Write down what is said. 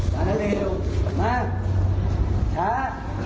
สารเลวมาช้า